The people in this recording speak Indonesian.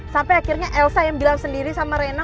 sampai akhirnya elsa yang bilang sendiri sama rena